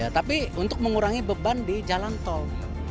tapi untuk mengurangi beban di jalan tol